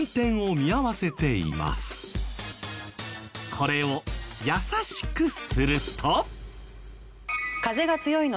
これを易しくすると。